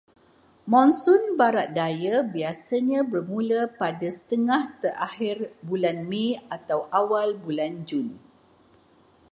Monsun barat daya biasanya bermula pada setengah terakhir bulan Mei atau awal bulan Jun.